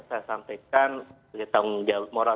saya sampaikan sebagai tanggung jawab moral